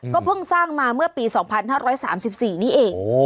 เพิ่งสร้างมาเมื่อปี๒๕๓๔นี้เอง